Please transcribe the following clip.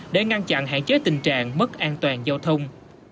để ngăn chặn hạn chế tình trạng mất an toàn giao thông